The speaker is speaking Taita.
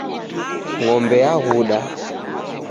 Ngombe yaghuda